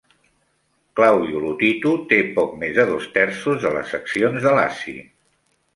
Claudio Lotito té poc més de dos terços de les accions de Laci.